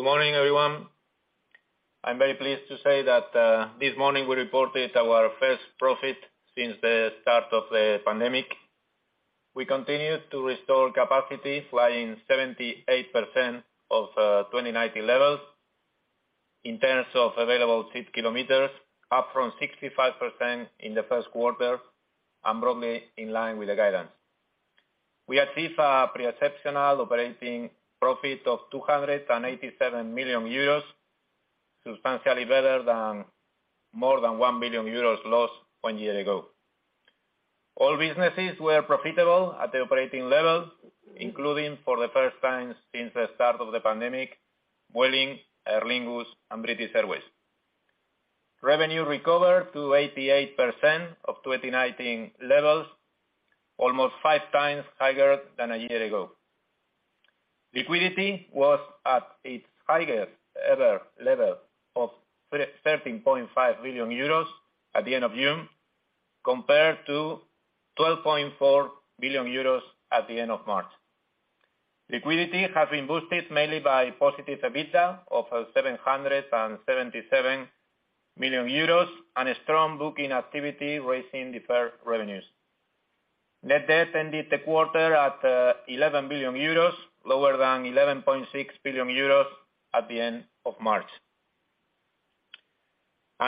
Good morning, everyone. I'm very pleased to say that, this morning we reported our first profit since the start of the pandemic. We continue to restore capacity flying 78% of 2019 levels in terms of available seat kilometers, up from 65% in the first quarter and broadly in line with the guidance. We achieved a pre-exceptional operating profit of 287 million euros, substantially better than more than 1 billion euros lost one year ago. All businesses were profitable at the operating level, including for the first time since the start of the pandemic, Vueling, Aer Lingus, and British Airways. Revenue recovered to 88% of 2019 levels, almost 5x higher than a year ago. Liquidity was at its highest ever level of 13.5 billion euros at the end of June, compared to 12.4 billion euros at the end of March. Liquidity has been boosted mainly by positive EBITDA of 777 million euros and a strong booking activity raising deferred revenues. Net debt ended the quarter at 11 billion euros, lower than 11.6 billion euros at the end of March.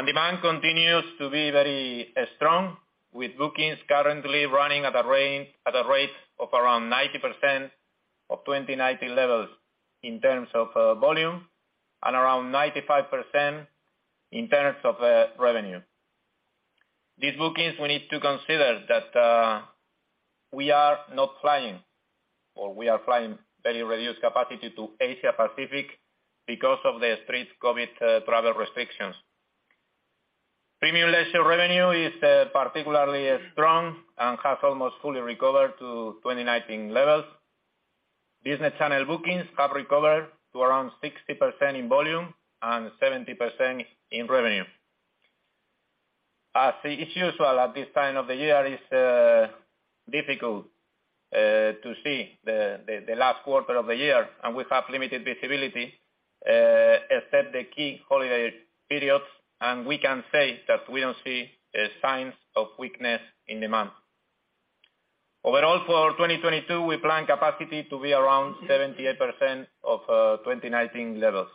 Demand continues to be very strong, with bookings currently running at a rate of around 90% of 2019 levels in terms of volume and around 95% in terms of revenue. These bookings, we need to consider that we are not flying or we are flying very reduced capacity to Asia Pacific because of the strict COVID travel restrictions. Premium leisure revenue is particularly strong and has almost fully recovered to 2019 levels. Business channel bookings have recovered to around 60% in volume and 70% in revenue. As is usual at this time of the year, it's difficult to see the last quarter of the year, and we have limited visibility except the key holiday periods. We can say that we don't see signs of weakness in demand. Overall, for 2022, we plan capacity to be around 78% of 2019 levels.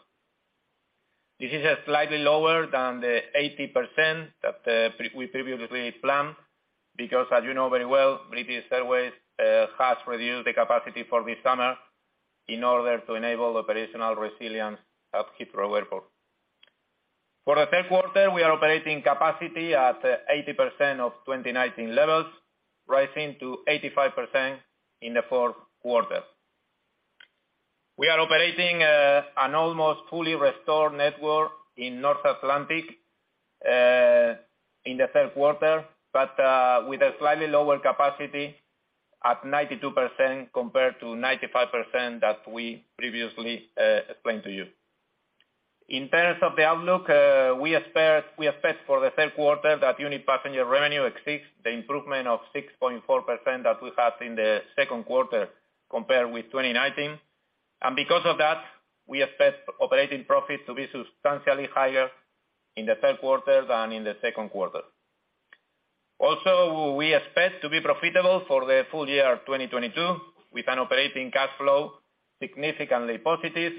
This is slightly lower than the 80% that we previously planned, because as you know very well, British Airways has reduced the capacity for this summer in order to enable operational resilience at Heathrow Airport. For the third quarter, we are operating capacity at 80% of 2019 levels, rising to 85% in the fourth quarter. We are operating an almost fully restored network in North Atlantic in the third quarter, but with a slightly lower capacity at 92% compared to 95% that we previously explained to you. In terms of the outlook, we expect for the third quarter that unit passenger revenue exceeds the improvement of 6.4% that we had in the second quarter compared with 2019. Because of that, we expect operating profit to be substantially higher in the third quarter than in the second quarter. Also, we expect to be profitable for the full year of 2022 with an operating cash flow significantly positive,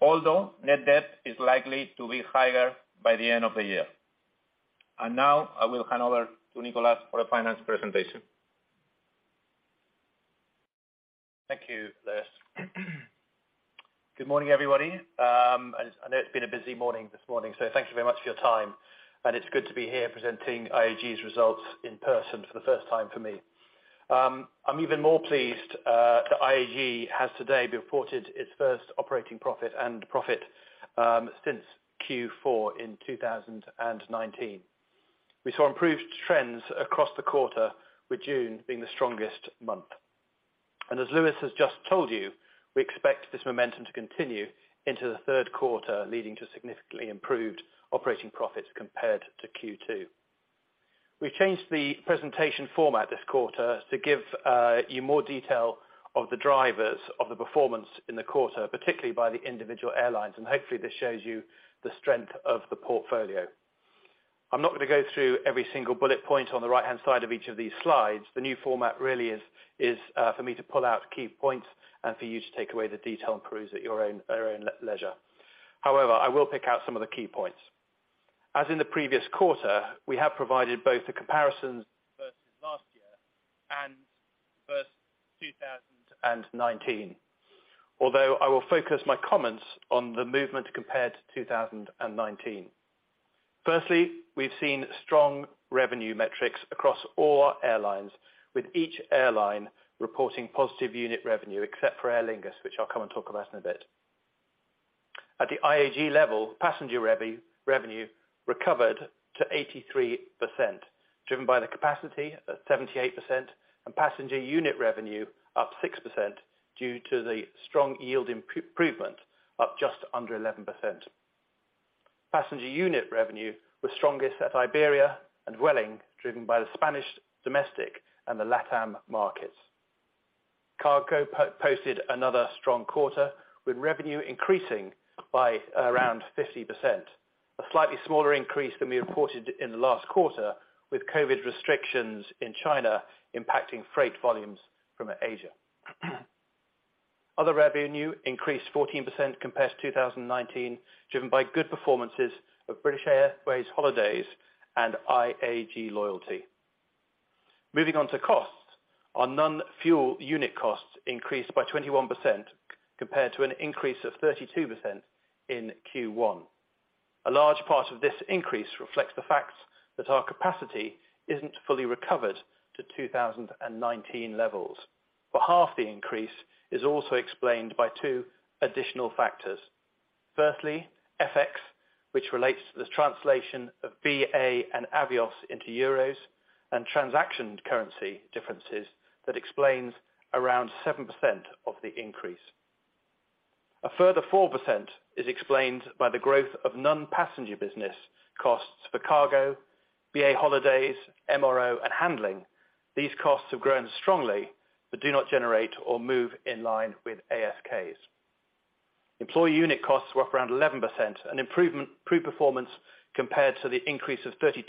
although net debt is likely to be higher by the end of the year. Now I will hand over to Nicholas for a finance presentation. Thank you, Luis. Good morning, everybody. I know it's been a busy morning this morning, so thank you very much for your time. It's good to be here presenting IAG's results in person for the first time for me. I'm even more pleased that IAG has today reported its first operating profit and profit since Q4 in 2019. We saw improved trends across the quarter, with June being the strongest month. As Luis has just told you, we expect this momentum to continue into the third quarter, leading to significantly improved operating profits compared to Q2. We've changed the presentation format this quarter to give you more detail of the drivers of the performance in the quarter, particularly by the individual airlines, and hopefully this shows you the strength of the portfolio. I'm not gonna go through every single bullet point on the right-hand side of each of these slides. The new format really is for me to pull out key points and for you to take away the detail and peruse at your own leisure. However, I will pick out some of the key points. As in the previous quarter, we have provided both the comparisons versus last year and versus 2019. Although, I will focus my comments on the movement compared to 2019. Firstly, we've seen strong revenue metrics across all our airlines, with each airline reporting positive unit revenue, except for Aer Lingus, which I'll come and talk about in a bit. At the IAG level, passenger revenue recovered to 83%, driven by the capacity at 78% and passenger unit revenue up 6% due to the strong yield improvement up just under 11%. Passenger unit revenue was strongest at Iberia and Vueling, driven by the Spanish domestic and the LATAM markets. Cargo posted another strong quarter, with revenue increasing by around 50%. A slightly smaller increase than we reported in the last quarter, with COVID restrictions in China impacting freight volumes from Asia. Other revenue increased 14% compared to 2019, driven by good performances of British Airways Holidays and IAG Loyalty. Moving on to costs. Our non-fuel unit costs increased by 21% compared to an increase of 32% in Q1. A large part of this increase reflects the fact that our capacity isn't fully recovered to 2019 levels, but half the increase is also explained by two additional factors. Firstly, FX, which relates to the translation of BA and Avios into euros and transaction currency differences that explains around 7% of the increase. A further 4% is explained by the growth of non-passenger business costs for cargo, BA Holidays, MRO and handling. These costs have grown strongly but do not generate or move in line with ASKs. Employee unit costs were up around 11%, an improvement in performance compared to the increase of 32%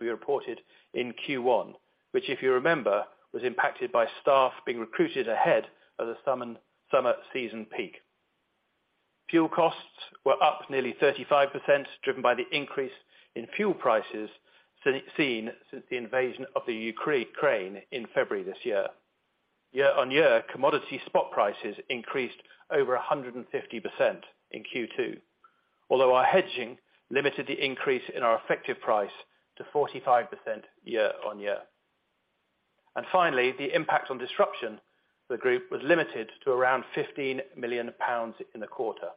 we reported in Q1, which if you remember, was impacted by staff being recruited ahead of the summer season peak. Fuel costs were up nearly 35%, driven by the increase in fuel prices seen since the invasion of Ukraine in February this year. Year-over-year, commodity spot prices increased over 150% in Q2, although our hedging limited the increase in our effective price to 45% year-over-year. Finally, the impact of the disruption on the group was limited to around 15 million pounds in the quarter.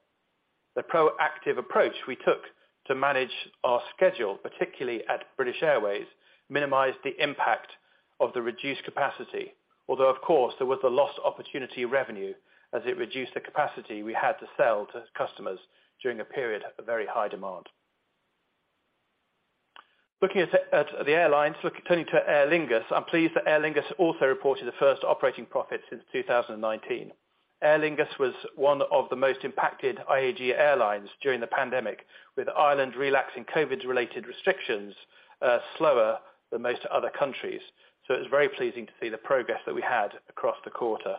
The proactive approach we took to manage our schedule, particularly at British Airways, minimized the impact of the reduced capacity, although of course, there was the lost opportunity revenue as it reduced the capacity we had to sell to customers during a period of very high demand. Looking at the airlines, turning to Aer Lingus, I'm pleased that Aer Lingus also reported the first operating profit since 2019. Aer Lingus was one of the most impacted IAG airlines during the pandemic, with Ireland relaxing COVID-related restrictions slower than most other countries. It was very pleasing to see the progress that we had across the quarter.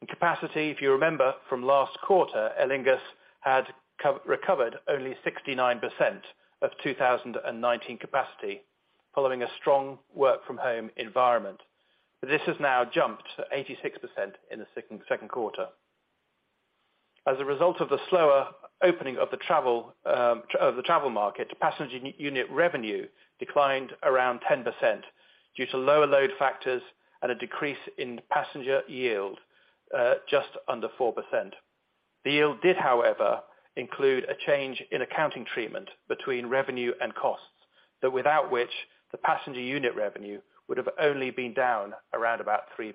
In capacity, if you remember from last quarter, Aer Lingus had recovered only 69% of 2019 capacity following a strong work from home environment. This has now jumped to 86% in the second quarter. As a result of the slower opening of the travel of the travel market, passenger unit revenue declined around 10% due to lower load factors and a decrease in passenger yield just under 4%. The yield did, however, include a change in accounting treatment between revenue and costs, that without which, the passenger unit revenue would have only been down around about 3%.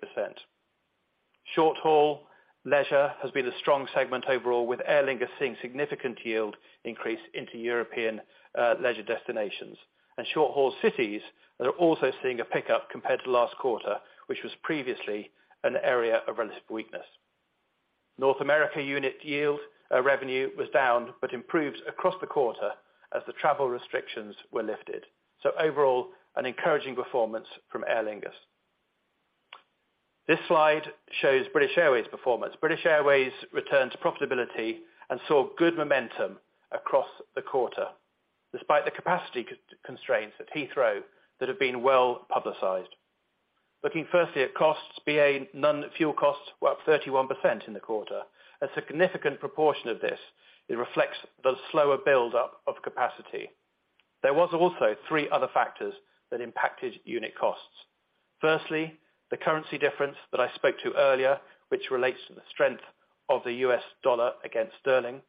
Short-haul leisure has been a strong segment overall, with Aer Lingus seeing significant yield increase into European leisure destinations. Short-haul cities are also seeing a pickup compared to last quarter, which was previously an area of relative weakness. North America unit yield revenue was down, but improved across the quarter as the travel restrictions were lifted. Overall, an encouraging performance from Aer Lingus. This slide shows British Airways' performance. British Airways returned to profitability and saw good momentum across the quarter, despite the capacity constraints at Heathrow that have been well-publicized. Looking firstly at costs, BA non-fuel costs were up 31% in the quarter. A significant proportion of this, it reflects the slower buildup of capacity. There was also three other factors that impacted unit costs. Firstly, the currency difference that I spoke to earlier, which relates to the strength of the US dollar against sterling.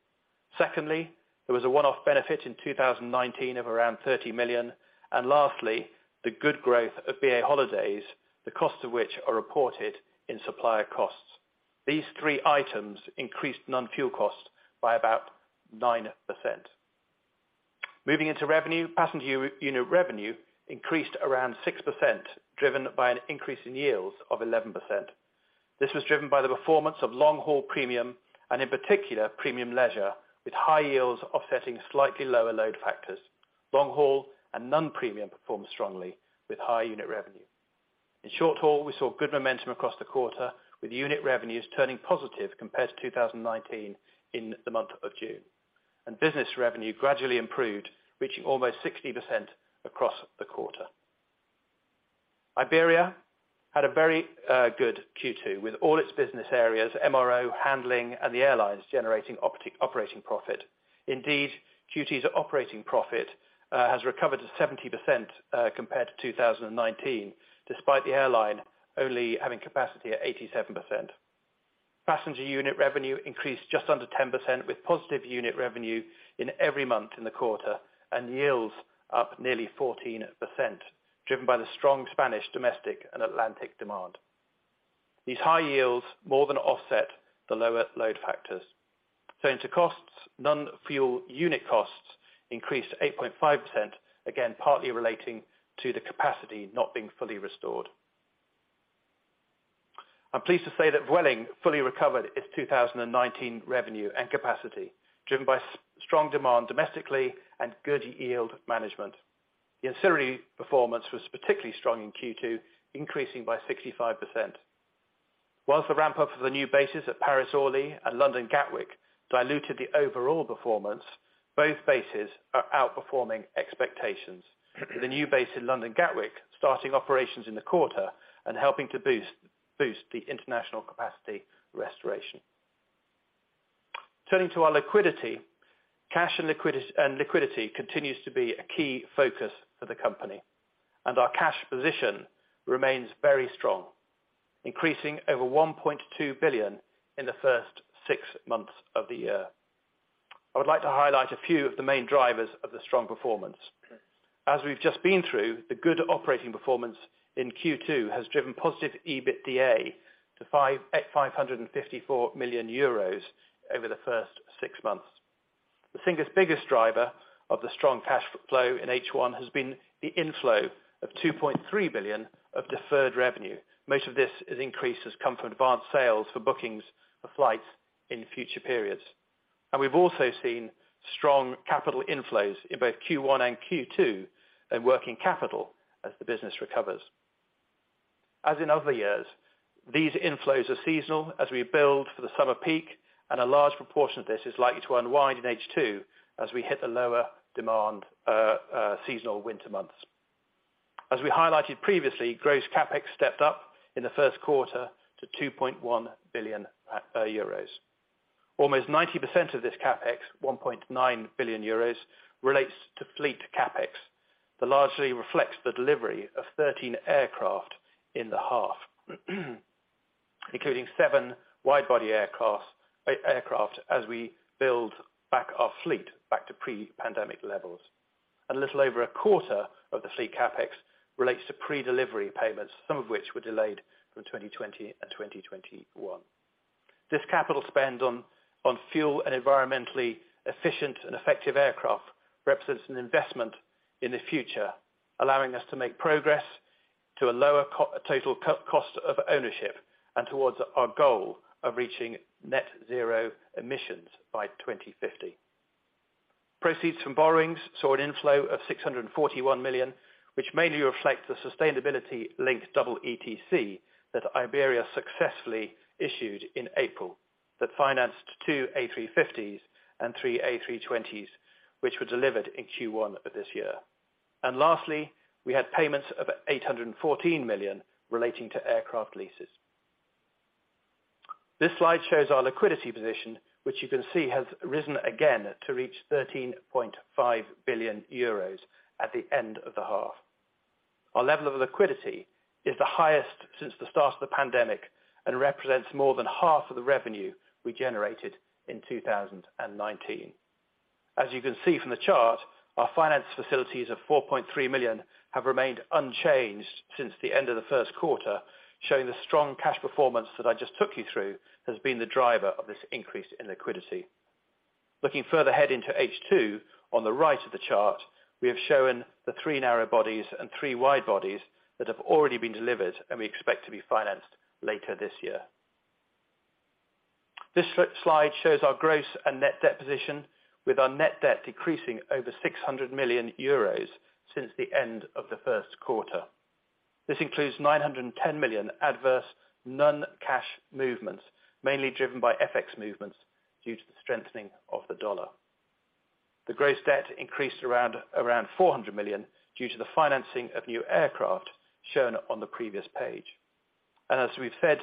Secondly, there was a one-off benefit in 2019 of around 30 million. Lastly, the good growth of BA Holidays, the cost of which are reported in supplier costs. These three items increased non-fuel cost by about 9%. Moving into revenue, passenger unit revenue increased around 6%, driven by an increase in yields of 11%. This was driven by the performance of long-haul premium, and in particular, premium leisure, with high yields offsetting slightly lower load factors. Long-haul and non-premium performed strongly with high unit revenue. In short haul, we saw good momentum across the quarter, with unit revenues turning positive compared to 2019 in the month of June. Business revenue gradually improved, reaching almost 60% across the quarter. Iberia had a very good Q2, with all its business areas, MRO, handling and the airlines generating operating profit. Indeed, Q2's operating profit has recovered to 70%, compared to 2019, despite the airline only having capacity at 87%. Passenger unit revenue increased just under 10% with positive unit revenue in every month in the quarter, and yields up nearly 14%, driven by the strong Spanish domestic and Atlantic demand. These high yields more than offset the lower load factors. Turning to costs, non-fuel unit costs increased 8.5%, again, partly relating to the capacity not being fully restored. I'm pleased to say that Vueling fully recovered its 2019 revenue and capacity, driven by strong demand domestically and good yield management. The ancillary performance was particularly strong in Q2, increasing by 65%. While the ramp-up of the new bases at Paris-Orly and London Gatwick diluted the overall performance, both bases are outperforming expectations, with the new base in London Gatwick starting operations in the quarter and helping to boost the international capacity restoration. Turning to our liquidity, cash and liquidity continues to be a key focus for the company, and our cash position remains very strong, increasing over 1.2 billion in the first six months of the year. I would like to highlight a few of the main drivers of the strong performance. As we've just been through, the good operating performance in Q2 has driven positive EBITDA of 554 million euros over the first six months. The single biggest driver of the strong cash flow in H1 has been the inflow of 2.3 billion of deferred revenue. Most of these increases come from advanced sales for bookings of flights in future periods. We've also seen strong capital inflows in both Q1 and Q2, and in working capital as the business recovers. As in other years, these inflows are seasonal as we build for the summer peak, and a large proportion of this is likely to unwind in H2 as we hit the lower demand, seasonal winter months. As we highlighted previously, gross CapEx stepped up in the first quarter to 2.1 billion euros. Almost 90% of this CapEx, 1.9 billion euros, relates to fleet CapEx, that largely reflects the delivery of 13 aircraft in the half, including seven wide-body aircraft as we build back our fleet to pre-pandemic levels. A little over a quarter of the fleet CapEx relates to predelivery payments, some of which were delayed from 2020 and 2021. This capital spend on fuel and environmentally efficient and effective aircraft represents an investment in the future, allowing us to make progress to a lower total cost of ownership and towards our goal of reaching net zero emissions by 2050. Proceeds from borrowings saw an inflow of 641 million, which mainly reflects the sustainability-linked dual EETC that Iberia successfully issued in April, that financed two A350s and three A320s, which were delivered in Q1 of this year. Lastly, we had payments of 814 million relating to aircraft leases. This slide shows our liquidity position, which you can see has risen again to reach 13.5 billion euros at the end of the half. Our level of liquidity is the highest since the start of the pandemic, and represents more than half of the revenue we generated in 2019. As you can see from the chart, our finance facilities of 4.3 billion have remained unchanged since the end of the first quarter, showing the strong cash performance that I just took you through, has been the driver of this increase in liquidity. Looking further ahead into H2, on the right of the chart, we have shown the three narrow bodies and three wide bodies that have already been delivered, and we expect to be financed later this year. This slide shows our gross and net debt position, with our net debt decreasing over 600 million euros since the end of the first quarter. This includes 910 million adverse non-cash movements, mainly driven by FX movements due to the strengthening of the dollar. The gross debt increased around 400 million due to the financing of new aircraft shown on the previous page. As we've said,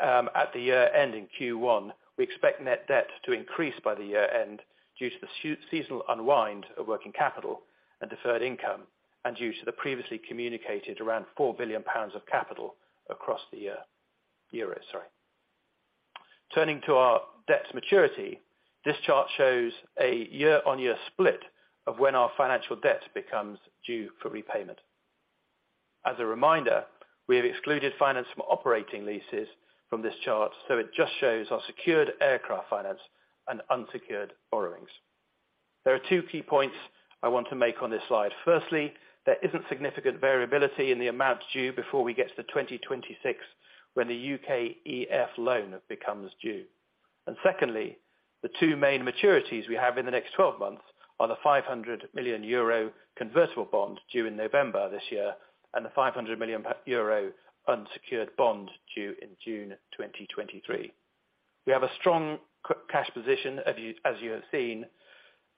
at the year-end in Q1, we expect net debt to increase by the year end due to the seasonal unwind of working capital and deferred income, and due to the previously communicated around EUR 4 billion of capital across the year, euros, sorry. Turning to our debt's maturity, this chart shows a year-on-year split of when our financial debt becomes due for repayment. As a reminder, we have excluded finance from operating leases from this chart, so it just shows our secured aircraft finance and unsecured borrowings. There are two key points I want to make on this slide. Firstly, there isn't significant variability in the amounts due before we get to 2026 when the UKEF loan becomes due. Secondly, the two main maturities we have in the next 12 months are the 500 million euro convertible bond due in November this year, and the 500 million euro unsecured bond due in June 2023. We have a strong cash position, as you have seen,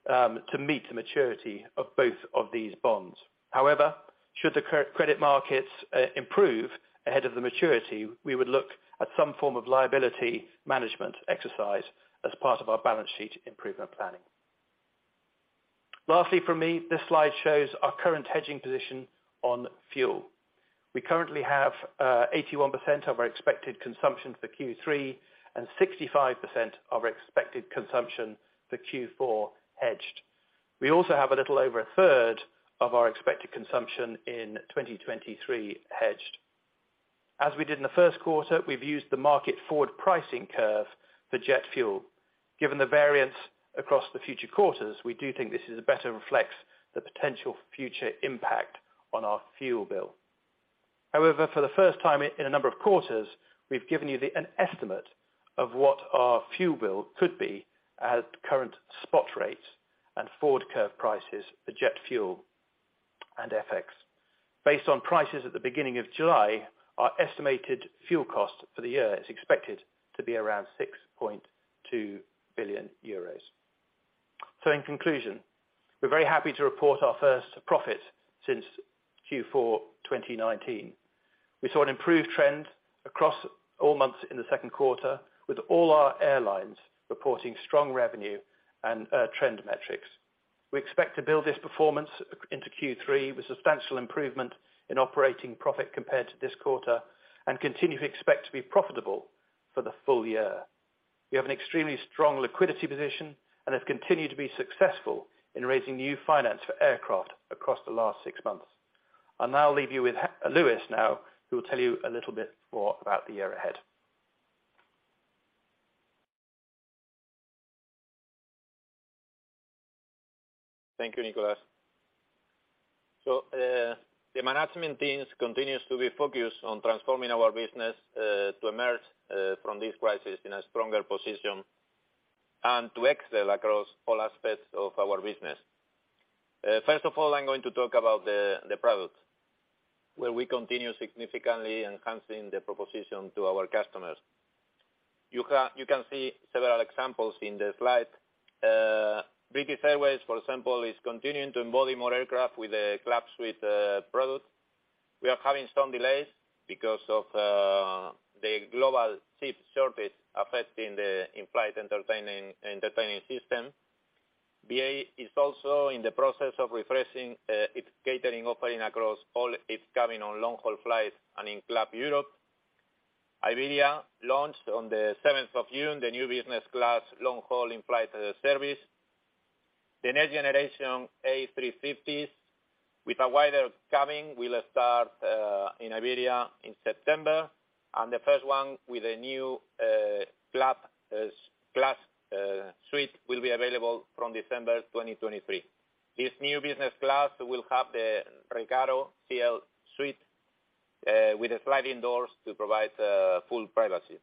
to meet the maturity of both of these bonds. However, should the credit markets improve ahead of the maturity, we would look at some form of liability management exercise as part of our balance sheet improvement planning. Lastly from me, this slide shows our current hedging position on fuel. We currently have 81% of our expected consumption for Q3 and 65% of our expected consumption for Q4 hedged. We also have a little over a third of our expected consumption in 2023 hedged. As we did in the first quarter, we've used the market forward pricing curve for jet fuel. Given the variance across the future quarters, we do think this is a better reflects the potential future impact on our fuel bill. However, for the first time in a number of quarters, we've given you an estimate of what our fuel bill could be at current spot rates and forward curve prices for jet fuel and FX. Based on prices at the beginning of July, our estimated fuel cost for the year is expected to be around 6.2 billion euros. In conclusion, we're very happy to report our first profit since Q4 2019. We saw an improved trend across all months in the second quarter, with all our airlines reporting strong revenue and trend metrics. We expect to build this performance into Q3 with substantial improvement in operating profit compared to this quarter and continue to expect to be profitable for the full year. We have an extremely strong liquidity position and have continued to be successful in raising new finance for aircraft across the last six months. I'll now leave you with Luis, who will tell you a little bit more about the year ahead. Thank you, Nicholas. The management team continues to be focused on transforming our business, to emerge, from this crisis in a stronger position and to excel across all aspects of our business. First of all, I'm going to talk about the product, where we continue significantly enhancing the proposition to our customers. You can see several examples in the slide. British Airways, for example, is continuing to embody more aircraft with the Club Suite product. We are having some delays because of the global chip shortage affecting the in-flight entertainment system. BA is also in the process of refreshing its catering offering across all its cabin on long-haul flights and in Club Europe. Iberia launched on the seventh of June, the new business class long-haul in-flight service. The next generation A350s with a wider cabin will start in Iberia in September, and the first one with a new Club Suite will be available from December 2023. This new business class will have the Recaro CL Suite with sliding doors to provide full privacy.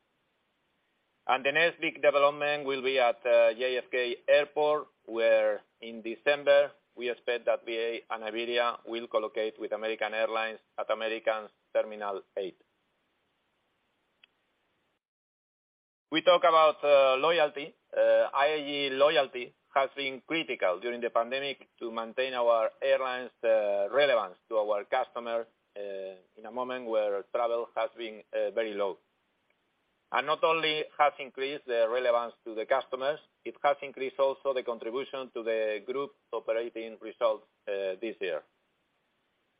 The next big development will be at JFK Airport, where in December, we expect that BA and Iberia will collocate with American Airlines at American's Terminal 8. We talk about loyalty. IAG Loyalty has been critical during the pandemic to maintain our airline's relevance to our customers in a moment where travel has been very low. Not only has increased the relevance to the customers, it has increased also the contribution to the group operating results this year.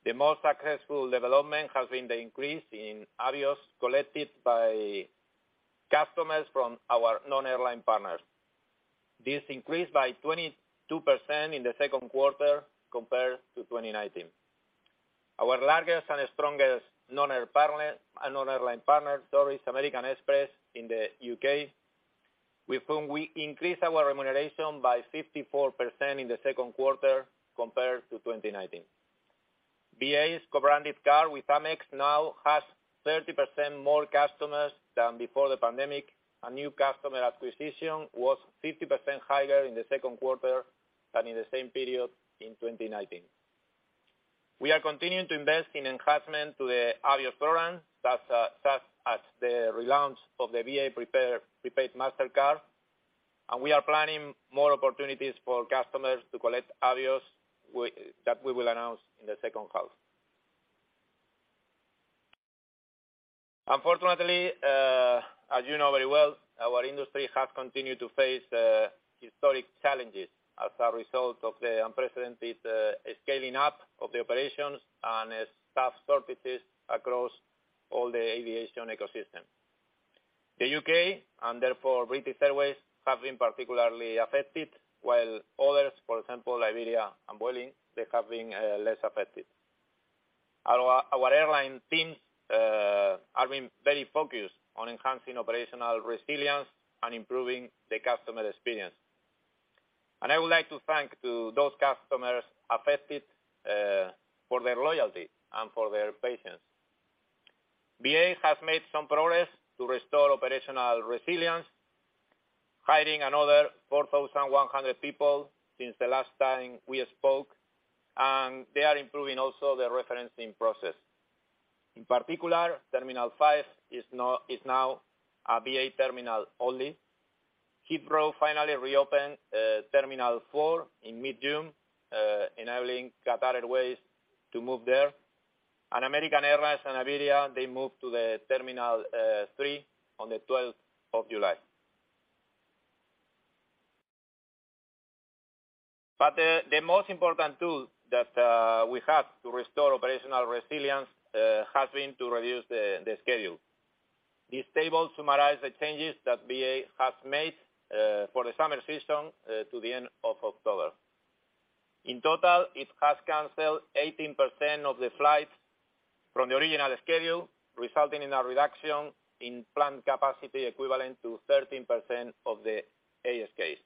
The most successful development has been the increase in Avios collected by customers from our non-airline partners. This increased by 22% in the second quarter compared to 2019. Our largest and strongest non-airline partner though is American Express in the UK, with whom we increased our remuneration by 54% in the second quarter compared to 2019. BA's co-branded card with Amex now has 30% more customers than before the pandemic. New customer acquisition was 50% higher in the second quarter than in the same period in 2019. We are continuing to invest in enhancement to the Avios program, such as the relaunch of the BA Prepaid Mastercard, and we are planning more opportunities for customers to collect Avios that we will announce in the second half. Unfortunately, as you know very well, our industry has continued to face historic challenges as a result of the unprecedented scaling up of the operations and staff shortages across all the aviation ecosystem. The UK, and therefore British Airways, have been particularly affected, while others, for example, Iberia and Vueling, they have been less affected. Our airline teams have been very focused on enhancing operational resilience and improving the customer experience. I would like to thank those customers affected for their loyalty and for their patience. BA has made some progress to restore operational resilience, hiring another 4,100 people since the last time we spoke, and they are improving also the onboarding process. In particular, Terminal 5 is now a BA terminal only. Heathrow finally reopened Terminal 4 in mid-June, enabling Qatar Airways to move there. American Airlines and Iberia, they moved to Terminal 3 on the 12th of July. The most important tool that we have to restore operational resilience has been to reduce the schedule. This table summarizes the changes that BA has made for the summer season to the end of October. In total, it has canceled 18% of the flights from the original schedule, resulting in a reduction in planned capacity equivalent to 13% of the ASKs.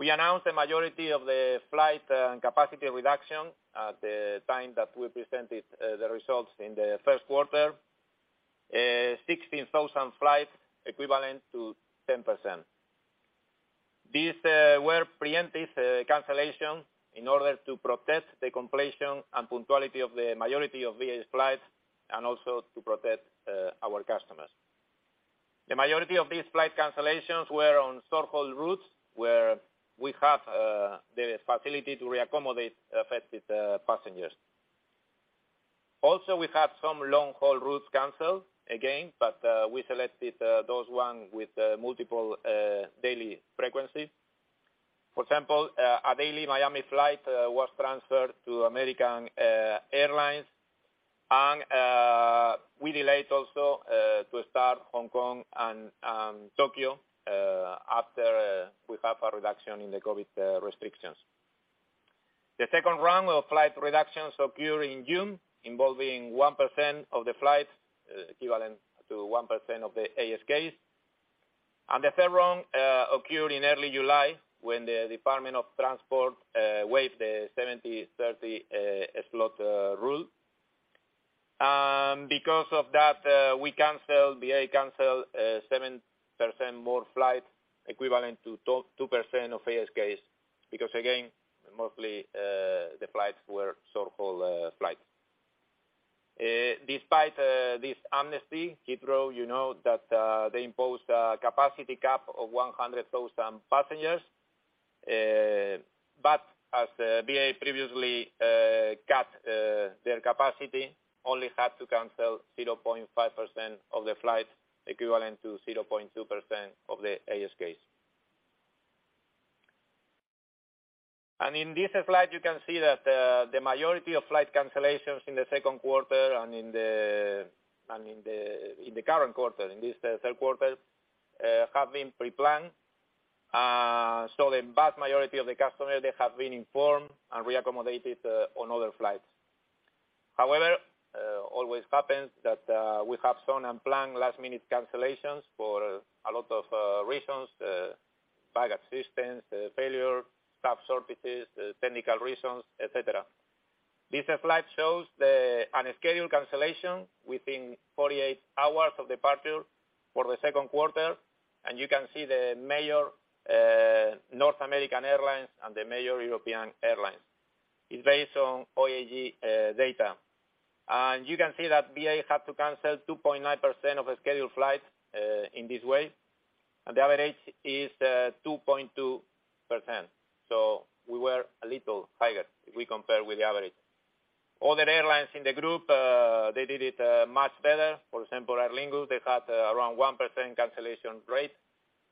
We announced the majority of the flight and capacity reduction at the time that we presented the results in the first quarter. 60,000 flights equivalent to 10%. These were preemptive cancellations in order to protect the completion and punctuality of the majority of BA's flights and also to protect our customers. The majority of these flight cancellations were on short-haul routes, where we have the facility to re-accommodate affected passengers. We have some long-haul routes canceled, again, but we selected those with multiple daily frequencies. For example, a daily Miami flight was transferred to American Airlines. We delayed the start of Hong Kong and Tokyo after we have a reduction in the COVID restrictions. The second round of flight reductions occurs in June, involving 1% of the flights, equivalent to 1% of the ASKs. The third round occurred in early July when the Department for Transport waived the 70/30 slot rule. Because of that, we canceled, BA canceled, 7% more flights equivalent to 2% of ASKs, because again, mostly the flights were short-haul flights. Despite this amnesty, Heathrow, you know, they imposed a capacity cap of 100,000 passengers. But as BA previously cut their capacity, only had to cancel 0.5% of the flights, equivalent to 0.2% of the ASKs. In this slide, you can see that the majority of flight cancellations in the second quarter and in the current quarter, the third quarter, have been pre-planned. The vast majority of the customers, they have been informed and re-accommodated on other flights. However, always happens that we have some unplanned last-minute cancellations for a lot of reasons. Bag assistance, failure, staff absences, technical reasons, et cetera. This slide shows the unscheduled cancellation within 48 hours of departure for the second quarter, and you can see the major North American airlines and the major European airlines. It's based on OAG data. You can see that BA had to cancel 2.9% of scheduled flights in this way, and the average is 2.2%. We were a little higher if we compare with the average. Other airlines in the group, they did it much better. For example, Aer Lingus, they had around 1% cancellation rate.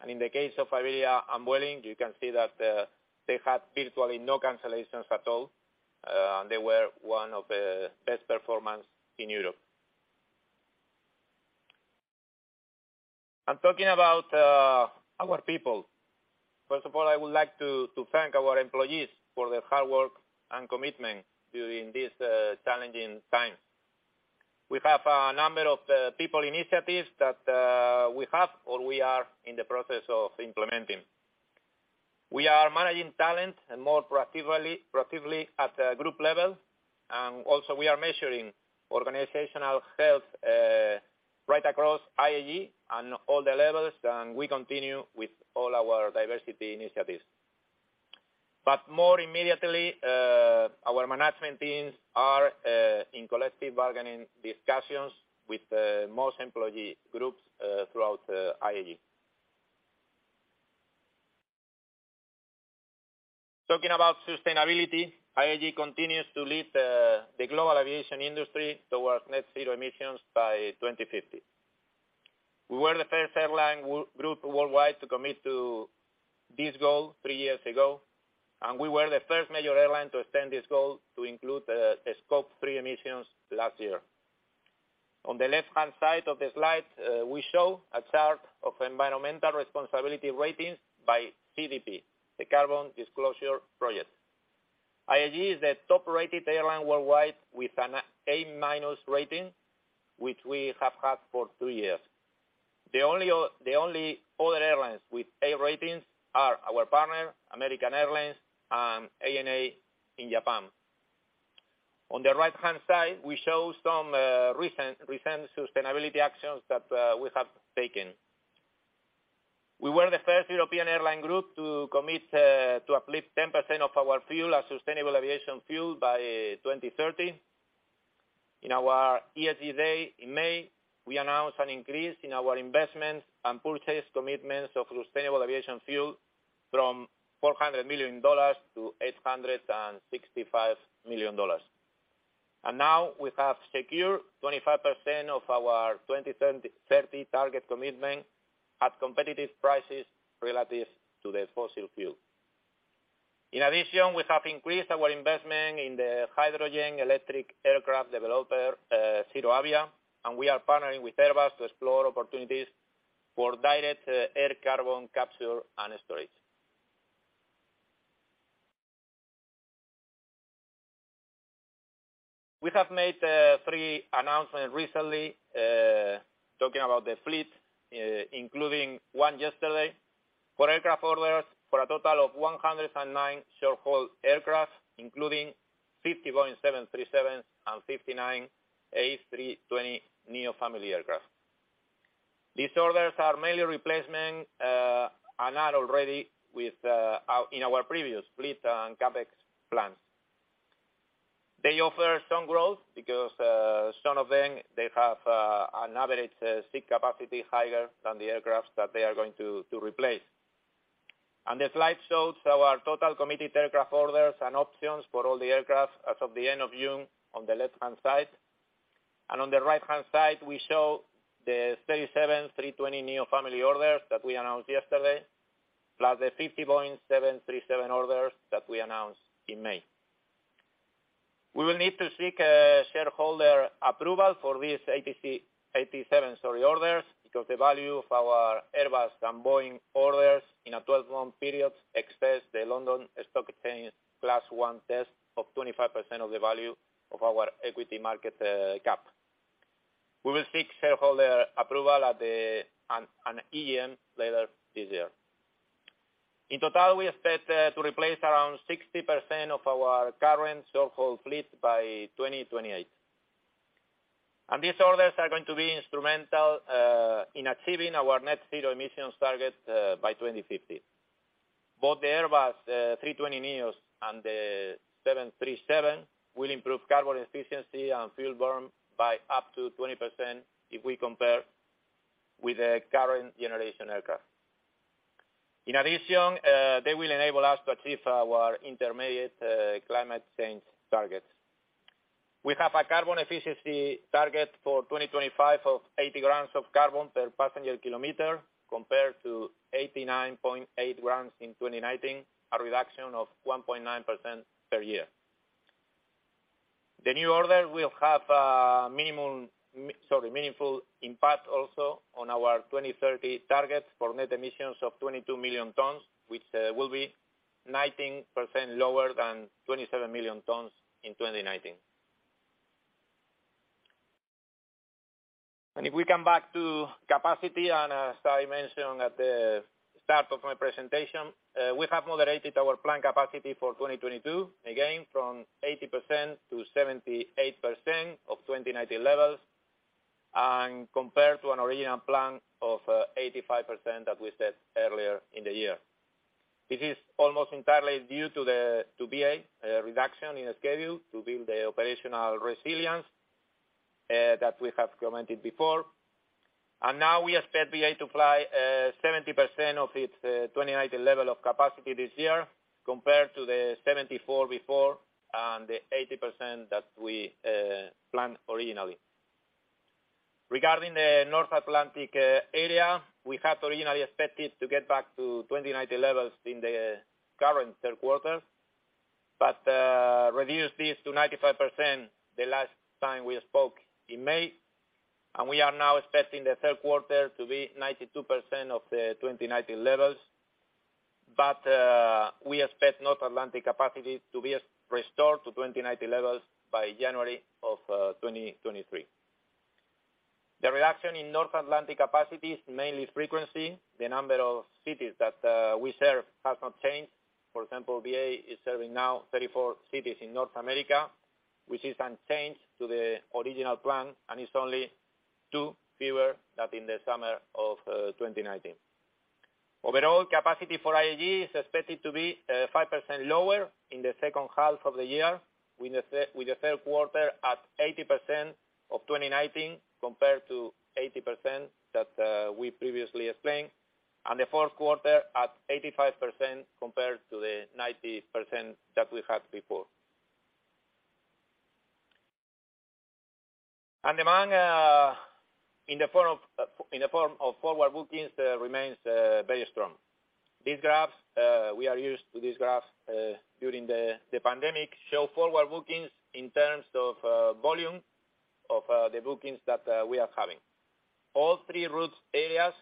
In the case of Iberia and Vueling, you can see that they had virtually no cancellations at all. They were one of the best performers in Europe. Talking about our people, first of all, I would like to thank our employees for their hard work and commitment during this challenging time. We have a number of people initiatives that we have or we are in the process of implementing. We are managing talent more proactively at a group level. We are measuring organizational health right across IAG on all the levels, and we continue with all our diversity initiatives. More immediately, our management teams are in collective bargaining discussions with most employee groups throughout IAG. Talking about sustainability, IAG continues to lead the global aviation industry towards net zero emissions by 2050. We were the first airline group worldwide to commit to this goal three years ago, and we were the first major airline to extend this goal to include the Scope 3 emissions last year. On the left-hand side of the slide, we show a chart of environmental responsibility ratings by CDP, the Carbon Disclosure Project. IAG is the top-rated airline worldwide with an A-minus rating, which we have had for two years. The only other airlines with A ratings are our partner, American Airlines and ANA in Japan. On the right-hand side, we show some recent sustainability actions that we have taken. We were the first European airline group to commit to uplift 10% of our fuel as sustainable aviation fuel by 2030. In our ESG day in May, we announced an increase in our investments and purchase commitments of sustainable aviation fuel from $400 million-$865 million. Now we have secured 25% of our 2030 target commitment at competitive prices relative to the fossil fuel. In addition, we have increased our investment in the hydrogen-electric aircraft developer ZeroAvia, and we are partnering with Airbus to explore opportunities for direct air carbon capture and storage. We have made three announcements recently talking about the fleet, including one yesterday, for aircraft orders for a total of 109 short-haul aircraft, including 50 Boeing 737s and 59 A320neo family aircraft. These orders are mainly replacement and are already without in our previous fleet and CapEx plans. They offer some growth because some of them they have an average seat capacity higher than the aircraft that they are going to replace. The slide shows our total committed aircraft orders and options for all the aircraft as of the end of June on the left-hand side. On the right-hand side, we show the 37 A320neo family orders that we announced yesterday, plus the 50 Boeing 737 orders that we announced in May. We will need to seek shareholder approval for these 87, sorry, orders because the value of our Airbus and Boeing orders in a 12-month period exceeds the London Stock Exchange plus one test of 25% of the value of our equity market cap. We will seek shareholder approval at the EGM later this year. In total, we expect to replace around 60% of our current short-haul fleet by 2028. These orders are going to be instrumental in achieving our net zero emissions target by 2050. Both the Airbus A320neos and the 737 will improve carbon efficiency and fuel burn by up to 20% if we compare with the current generation aircraft. In addition, they will enable us to achieve our intermediate climate change targets. We have a carbon efficiency target for 2025 of 80 grams of carbon per passenger kilometer compared to 89.8 grams in 2019, a reduction of 1.9% per year. The new order will have a meaningful impact also on our 2030 targets for net emissions of 22 million tons, which will be 19% lower than 27 million tons in 2019. If we come back to capacity, and as I mentioned at the start of my presentation, we have moderated our planned capacity for 2022, again, from 80%-78% of 2019 levels, and compared to an original plan of 85% that we set earlier in the year. This is almost entirely due to the BA reduction in the schedule to build the operational resilience that we have commented before. Now we expect BA to fly 70% of its 2019 level of capacity this year, compared to the 74% before and the 80% that we planned originally. Regarding the North Atlantic area, we had originally expected to get back to 2019 levels in the current third quarter, but reduced this to 95% the last time we spoke in May. We are now expecting the third quarter to be 92% of the 2019 levels. We expect North Atlantic capacity to be restored to 2019 levels by January of 2023. The reduction in North Atlantic capacity is mainly frequency. The number of cities that we serve has not changed. For example, BA is serving now 34 cities in North America, which is unchanged to the original plan, and it's only two fewer than in the summer of 2019. Overall capacity for IAG is expected to be 5% lower in the second half of the year, with the third quarter at 80% of 2019 compared to 80% that we previously explained, and the fourth quarter at 85% compared to the 90% that we had before. Demand in the form of forward bookings remains very strong. These graphs we are used to during the pandemic show forward bookings in terms of volume of the bookings that we are having. All three routes areas,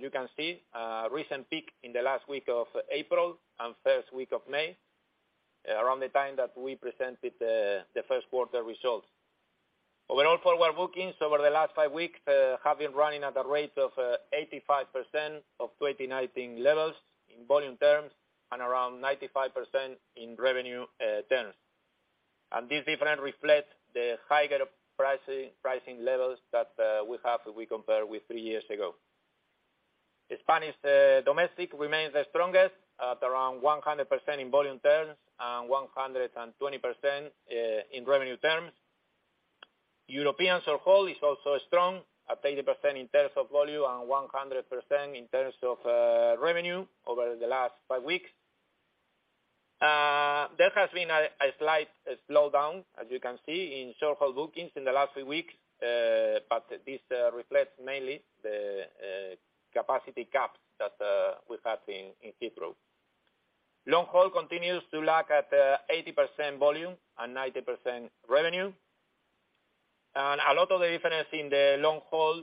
you can see a recent peak in the last week of April and first week of May, around the time that we presented the first quarter results. Overall forward bookings over the last five weeks, have been running at a rate of 85% of 2019 levels in volume terms and around 95% in revenue terms. This difference reflects the higher pricing levels that we compare with three years ago. Spanish domestic remains the strongest at around 100% in volume terms and 120% in revenue terms. European short-haul is also strong at 80% in terms of volume and 100% in terms of revenue over the last five weeks. There has been a slight slowdown, as you can see, in short-haul bookings in the last three weeks, but this reflects mainly the capacity gaps that we have in Heathrow. Long-haul continues to lag at 80% volume and 90% revenue. A lot of the difference in the long-haul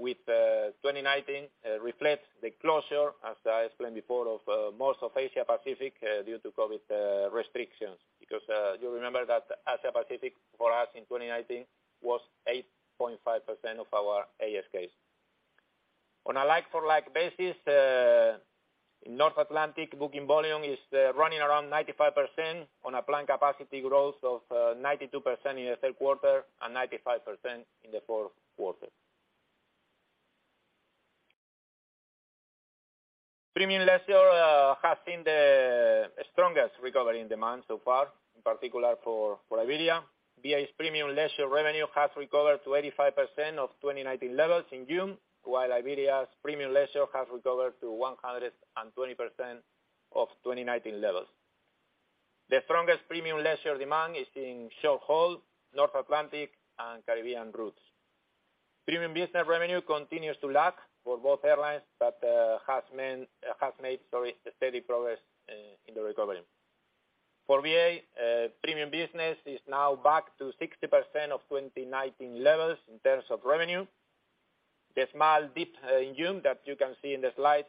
with 2019 reflects the closure, as I explained before, of most of Asia Pacific due to COVID restrictions. You remember that Asia Pacific for us in 2019 was 8.5% of our ASKs. On a like-for-like basis, North Atlantic booking volume is running around 95% on a planned capacity growth of 92% in the third quarter and 95% in the fourth quarter. Premium leisure has seen the strongest recovery in demand so far, in particular for Iberia. BA's premium leisure revenue has recovered to 85% of 2019 levels in June, while Iberia's premium leisure has recovered to 120% of 2019 levels. The strongest premium leisure demand is in short-haul, North Atlantic, and Caribbean routes. Premium business revenue continues to lag for both airlines, but has made steady progress in the recovery. For BA, premium business is now back to 60% of 2019 levels in terms of revenue. The small dip in June that you can see in the slide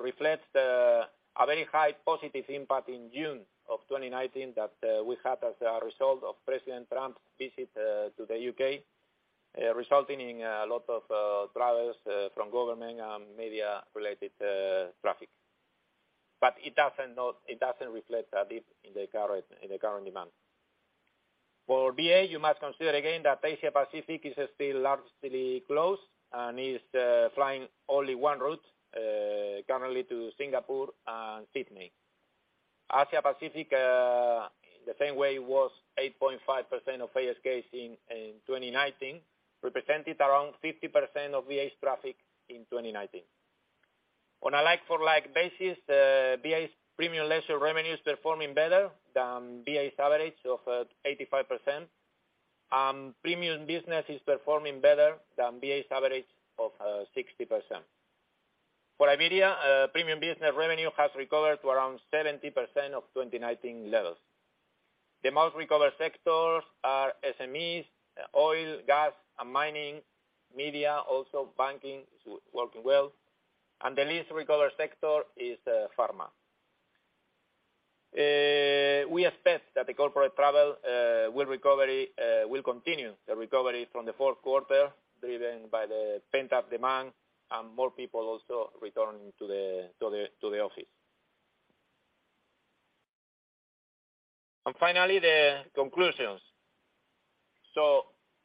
reflects a very high positive impact in June of 2019 that we had as a result of President Trump's visit to the U.K., resulting in a lot of travelers from government and media-related traffic. It doesn't reflect a dip in the current demand. For BA, you must consider again that Asia Pacific is still largely closed and is flying only one route currently to Singapore and Sydney. Asia Pacific, the same way, was 8.5% of ASKs in 2019, represented around 50% of BA's traffic in 2019. On a like for like basis, BA's premium leisure revenue is performing better than BA's average of 85%. Premium business is performing better than BA's average of 60%. For Iberia, premium business revenue has recovered to around 70% of 2019 levels. The most recovered sectors are SMEs, oil, gas, and mining, media, also banking is working well. The least recovered sector is pharma. We expect that the corporate travel will continue the recovery from the fourth quarter, driven by the pent-up demand and more people also returning to the office. Finally, the conclusions.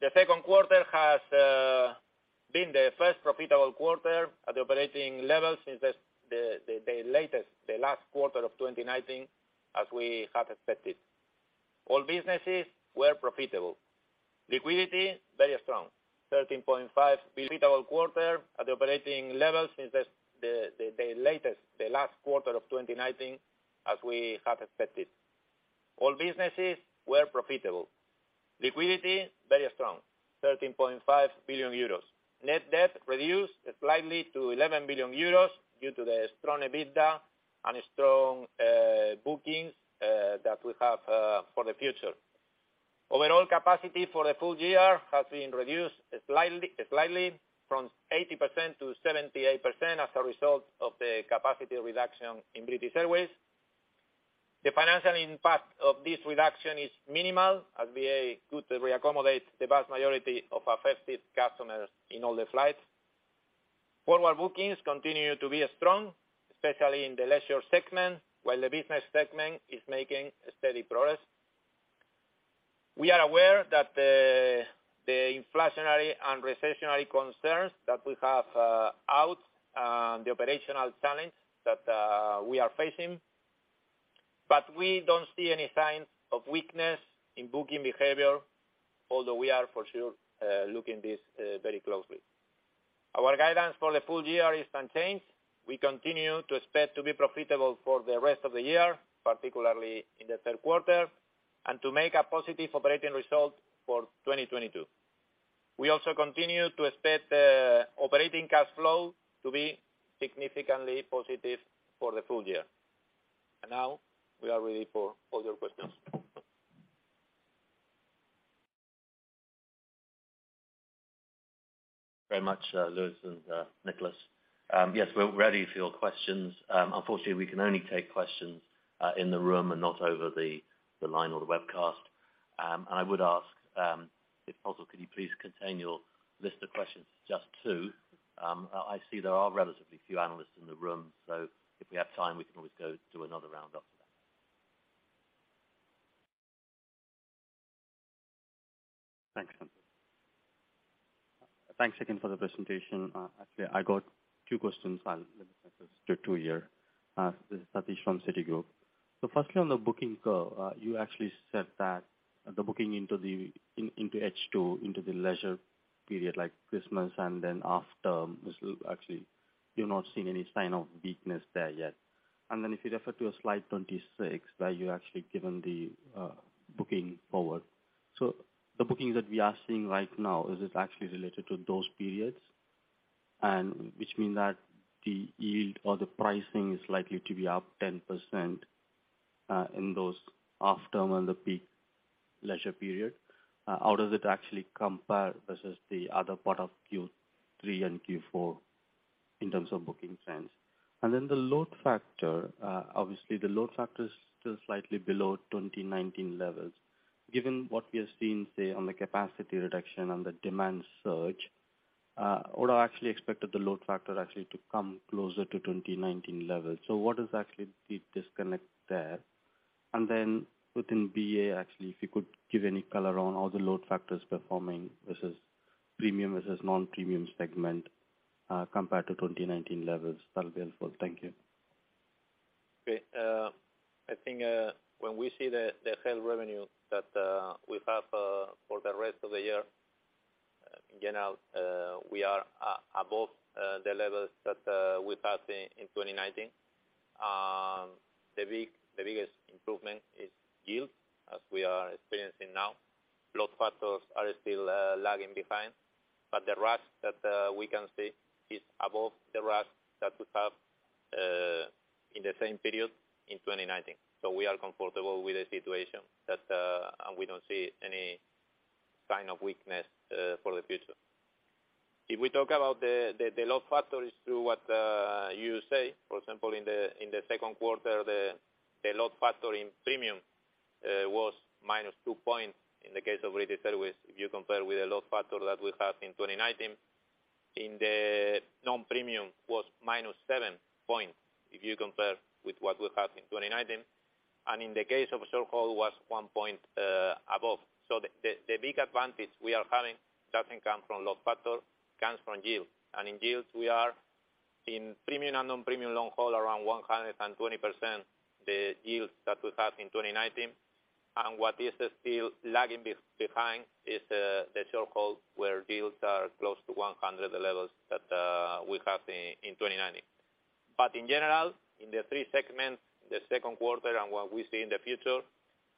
The second quarter has been the first profitable quarter at the operating level since the last quarter of 2019, as we had expected. All businesses were profitable. Liquidity, very strong. EUR 13.5 billion. Net debt reduced slightly to 11 billion euros due to the strong EBITDA and strong bookings that we have for the future. Overall capacity for the full year has been reduced slightly from 80%-78% as a result of the capacity reduction in British Airways. The financial impact of this reduction is minimal as BA could re-accommodate the vast majority of affected customers in all the flights. Forward bookings continue to be strong, especially in the leisure segment, while the business segment is making steady progress. We are aware that the inflationary and recessionary concerns that we have out there, and the operational challenge that we are facing, but we don't see any signs of weakness in booking behavior, although we are for sure looking at this very closely. Our guidance for the full year is unchanged. We continue to expect to be profitable for the rest of the year, particularly in the third quarter, and to make a positive operating result for 2022. We also continue to expect operating cash flow to be significantly positive for the full year. Now we are ready for all your questions. Very much, Luis and Nicholas. Yes, we're ready for your questions. Unfortunately, we can only take questions in the room and not over the line or the webcast. I would ask, if possible, could you please contain your list of questions to just two? I see there are relatively few analysts in the room, so if we have time, we can always go do another round after that. Thanks. Thanks again for the presentation. Actually, I got two questions. I'll limit myself to two here. This is Sathish from Citigroup. Firstly, on the booking curve, you actually said that the booking into H2, into the leisure period like Christmas and then after, you've not seen any sign of weakness there yet. If you refer to your slide 26, where you actually given the booking forward. The bookings that we are seeing right now, is it actually related to those periods? And which mean that the yield or the pricing is likely to be up 10%, in those after and the peak leisure period, how does it actually compare versus the other part of Q3 and Q4 in terms of booking trends? Then the load factor. Obviously the load factor is still slightly below 2019 levels. Given what we have seen, say, on the capacity reduction and the demand surge, what I actually expected the load factor actually to come closer to 2019 levels. What is actually the disconnect there? Then within BA, actually, if you could give any color on how the load factor is performing versus premium versus non-premium segment, compared to 2019 levels, that would be helpful. Thank you. Okay. I think when we see the deferred revenue that we have for the rest of the year, in general, we are above the levels that we had in 2019. The biggest improvement is yield, as we are experiencing now. Load factors are still lagging behind, but the RASK that we can see is above the RASK that we have in the same period in 2019. We are comfortable with the situation, and we don't see any sign of weakness for the future. If we talk about the load factor through what you say, for example, in the second quarter, the load factor in premium was -2% in the case of British Airways, if you compare with the load factor that we have in 2019. In the non-premium was -7%, if you compare with what we have in 2019. In the case of short-haul was 1% above. The big advantage we are having doesn't come from load factor, comes from yield. In yields we are in premium and non-premium long-haul, around 120% the yields that we have in 2019. What is still lagging behind is the short-haul, where yields are close to 100% levels that we have in 2019. In general, in the three segments, the second quarter and what we see in the future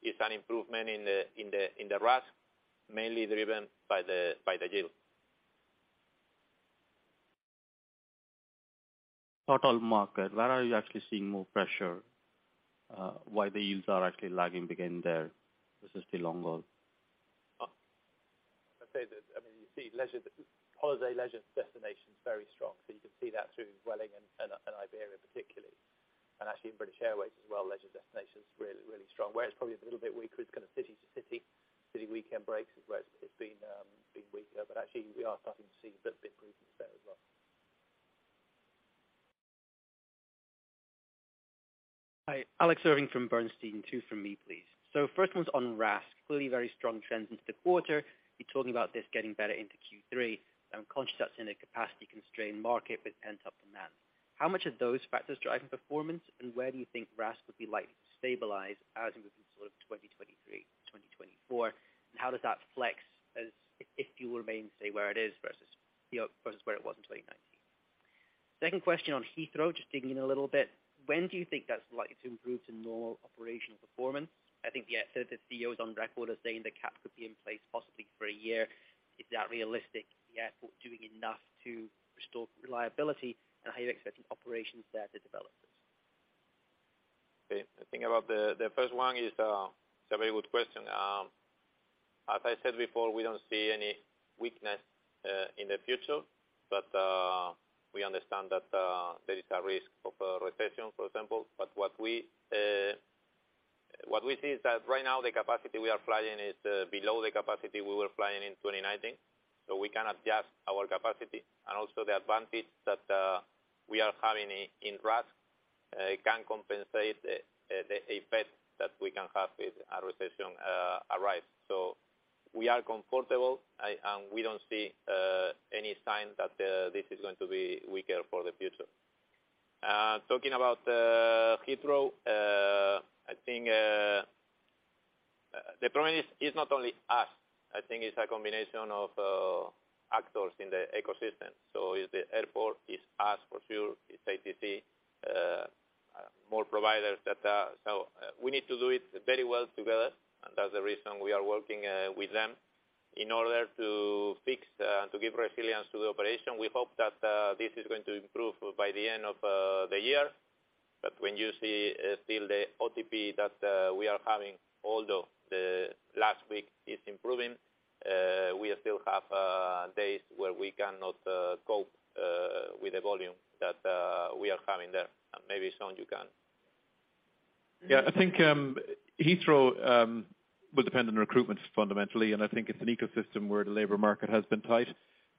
is an improvement in the RASK, mainly driven by the yield. Total market, where are you actually seeing more pressure, why the yields are actually lagging behind there versus the long-haul? I'd say that, I mean, you see leisure, holiday leisure destination is very strong. You can see that through Vueling and Iberia particularly, and actually in British Airways as well, leisure destination is really, really strong. Where it's probably a little bit weaker is kind of city to city weekend breaks, where it's been weaker. Actually we are starting to see a little bit improvements there as well. Hi, Alex Irving from Bernstein. Two from me, please. First one's on RASK. Clearly very strong trends into the quarter. You're talking about this getting better into Q3, conscious that it's in a capacity constrained market with pent-up demand. How much of those factors driving performance, and where do you think RASK would be likely to stabilize as we move to sort of 2023, 2024? And how does that flex as if fuel remains, say, where it is versus where it was in 2019. Second question on Heathrow, just digging in a little bit. When do you think that's likely to improve to normal operational performance? I think I heard the CEO is on record as saying the cap could be in place possibly for a year. Is that realistic, the airport doing enough to restore reliability, and how are you expecting operations there to develop this? Okay. I think the first one is a very good question. As I said before, we don't see any weakness in the future, but we understand that there is a risk of a recession, for example. What we see is that right now the capacity we are flying is below the capacity we were flying in 2019. We can adjust our capacity. Also the advantage that we are having in RASK can compensate the effect that we can have if a recession arrives. We are comfortable. I and we don't see any sign that this is going to be weaker for the future. Talking about Heathrow, I think the problem is not only us. I think it's a combination of actors in the ecosystem. It's the airport, it's us for sure, it's ATC, more providers that, so we need to do it very well together, and that's the reason we are working with them in order to fix, to give resilience to the operation. We hope that this is going to improve by the end of the year. When you see still the OTP that we are having, although the last week is improving, we still have days where we cannot cope with the volume that we are having there. Maybe Sean you can. Yeah. I think Heathrow will depend on recruitment fundamentally, and I think it's an ecosystem where the labor market has been tight.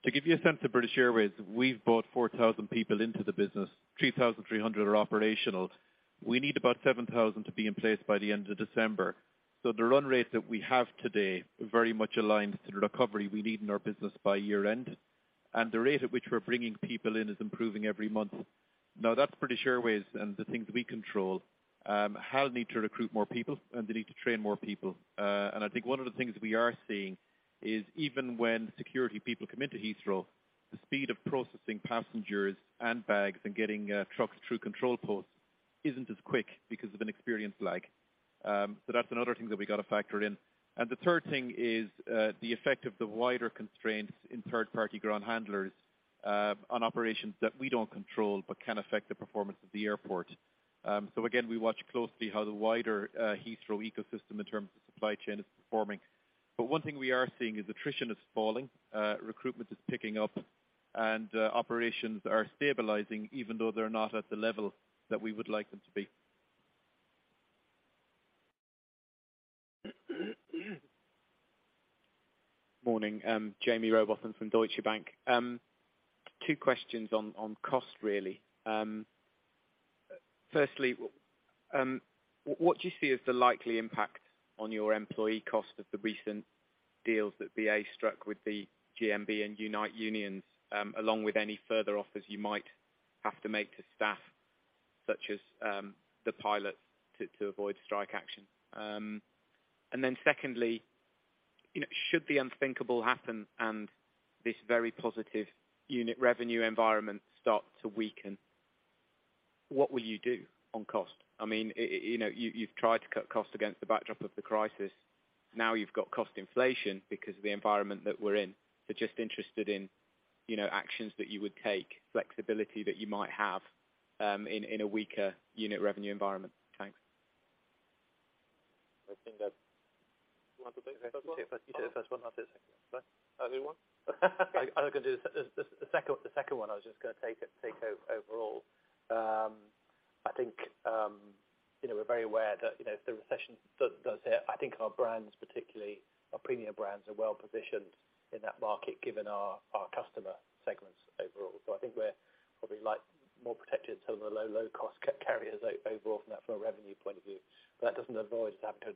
To give you a sense of British Airways, we've brought 4,000 people into the business. 3,300 are operational. We need about 7,000 to be in place by the end of December. The run rate that we have today very much aligns to the recovery we need in our business by year end. The rate at which we're bringing people in is improving every month. Now that's British Airways and the things we control. How needs to recruit more people and they need to train more people. I think one of the things we are seeing is even when security people come into Heathrow, the speed of processing passengers and bags and getting trucks through control posts isn't as quick because of an experience lag. That's another thing that we gotta factor in. The third thing is the effect of the wider constraints in third-party ground handlers on operations that we don't control, but can affect the performance of the airport. Again, we watch closely how the wider Heathrow ecosystem in terms of supply chain is performing. One thing we are seeing is attrition is falling, recruitment is picking up, and operations are stabilizing, even though they're not at the level that we would like them to be. Morning. Jaime Rowbotham from Deutsche Bank. Two questions on cost, really. Firstly, what do you see as the likely impact on your employee cost of the recent deals that BA struck with the GMB and Unite the Union, along with any further offers you might have to make to staff, such as the pilots to avoid strike action? And then secondly, you know, should the unthinkable happen and this very positive unit revenue environment start to weaken, what will you do on cost? I mean, you know, you've tried to cut costs against the backdrop of the crisis. Now you've got cost inflation because of the environment that we're in. So just interested in, you know, actions that you would take, flexibility that you might have, in a weaker unit revenue environment. Thanks. I think that's. You want to take the first one? You take the first one, I'll take the second one. Sorry. Other way around? I was gonna do the second one. I was just gonna take it overall. I think you know, we're very aware that you know, if the recession does hit. I think our brands, particularly our premium brands, are well-positioned in that market given our customer segments overall. I think we're probably like more protected some of the low-cost carriers overall from that, from a revenue point of view. That doesn't avoid us having to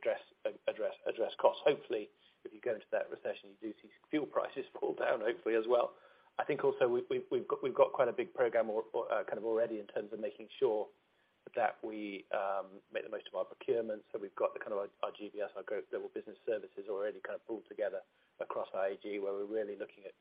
address costs. Hopefully, if you go into that recession, you do see fuel prices fall down, hopefully, as well. I think also we've got quite a big program or kind of already in terms of making sure that we make the most of our procurements. We've got the kind of our GBS, our global business services, already kind of pulled together across IAG, where we're really looking at